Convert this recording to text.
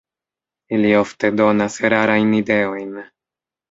Ili ofte donas erarajn ideojn.